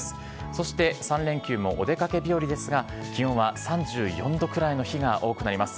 そして、３連休もお出かけ日和ですが、気温は３４度くらいの日が多くなります。